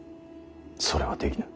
それはできぬ。